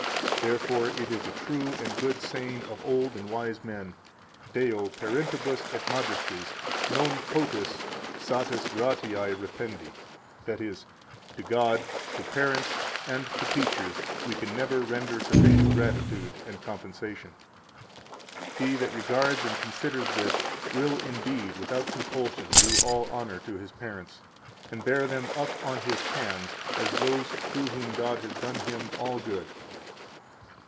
130 Therefore it is a true and good saying of old and wise men: Deo, parentibus et magistris non potest satis gratiae rependi, that is, To God, to parents, and to teachers we can never render sufficient gratitude and compensation. He that regards and considers this will indeed without compulsion do all honor to his parents, and bear them up on his hands as those through whom God has done him all good.